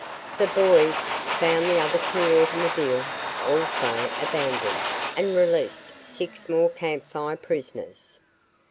The boys found the other two automobiles also abandoned and released six more Camp Fire prisoners.